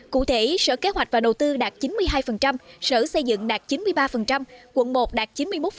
cụ thể sở kế hoạch và đầu tư đạt chín mươi hai sở xây dựng đạt chín mươi ba quận một đạt chín mươi một